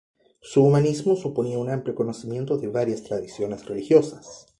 Su humanismo suponía un amplio conocimiento de varias tradiciones religiosas.